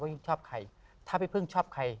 ยิ่งชอบใครถ้าพี่พึ่งชอบใคร